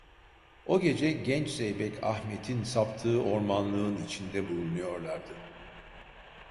O gece genç zeybek Ahmet’in saptığı ormanlığın içinde bulunuyorlardı.